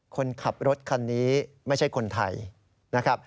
คนขับรถคันนี้ไม่ใช่คนไทยนะครับ